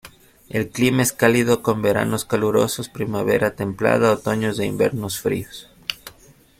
El clima es cálido, con veranos calurosos, primavera templada, otoños e inviernos fríos.